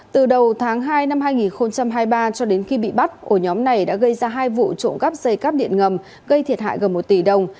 từ đầu tháng hai năm hai nghìn hai mươi ba cho đến khi bị bắt ổ nhóm này đã gây ra hai vụ trộm cắp dây cắp điện ngầm gây thiệt hại gần một tỷ đồng